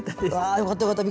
よかったよかった。